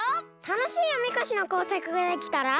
たのしいおみこしのこうさくができたら。